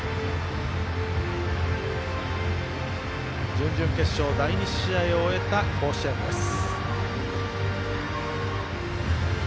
準々決勝、第２試合を終えた甲子園です。